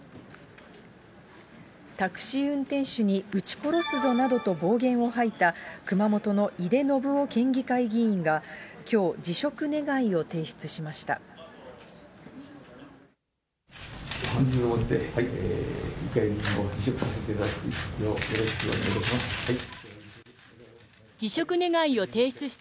タクシー運転手にうち殺すぞなどと暴言を吐いた、熊本の井手順雄県議会議員がきょう、辞職願を提出しました。